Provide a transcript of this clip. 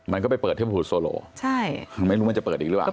มันก็ไปเปิดเทพโซโลไม่รู้มันจะเปิดอีกหรือเปล่า